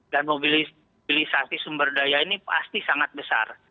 dan mobilisasi sumber daya ini pasti sangat besar